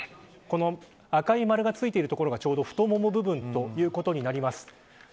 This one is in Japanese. この赤い丸がついているところが太もも部分ということになります。